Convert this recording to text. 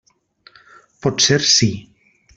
Potser sí.